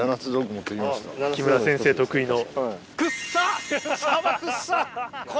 木村先生得意の。